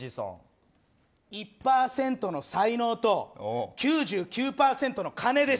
１％の才能と９９％の金です。